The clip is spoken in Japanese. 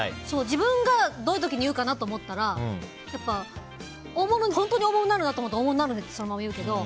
自分がどういう時に言うかなと思ったらやっぱ、本当に大物になるなって思ったら大物になるねってそのまま言うけど。